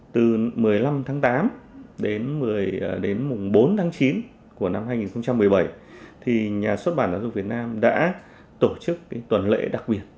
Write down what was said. từ một mươi năm tháng tám đến bốn tháng chín của năm hai nghìn một mươi bảy thì nhà xuất bản giáo dục việt nam đã tổ chức tuần lễ đặc biệt